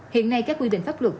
hiện nay các quy định pháp luật